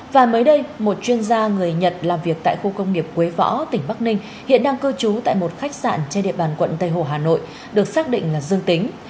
và mới đây một chuyên gia người nhật làm việc tại khu công nghiệp quế võ tỉnh bắc ninh hiện đang cư trú tại một khách sạn trên địa bàn quận tây hồ hà nội được xác định là dương tính